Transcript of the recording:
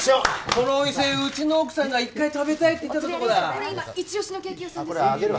このお店うちの奥さんが一回食べたいって言ってたとこだ今イチオシのケーキ屋さんですよ